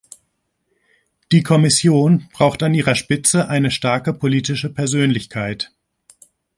Die Kommission braucht an ihrer Spitze eine starke politische Persönlichkeit.